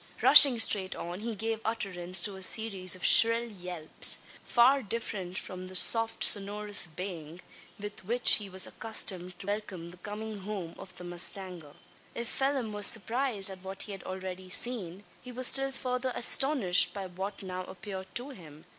Rushing straight on, he gave utterance to a series of shrill yelps; far different from the soft sonorous baying, with which he was accustomed to welcome the coming home of the mustanger. If Phelim was surprised at what he had already seen, he was still further astonished by what now appeared to him.